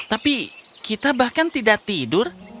tapi kita bahkan tidak tidur